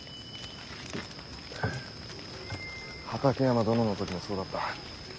畠山殿の時もそうだった。